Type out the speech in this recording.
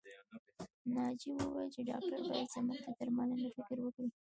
ناجيې وويل چې ډاکټر بايد زموږ د درملنې فکر وکړي